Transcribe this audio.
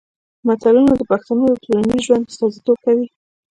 متلونه د پښتنو د ټولنیز ژوند استازیتوب کوي